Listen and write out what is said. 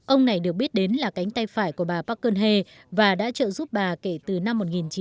ông này được biết đến là cánh tay phải của bà park geun hye và đã trợ giúp bà kể từ năm một nghìn chín trăm chín mươi tám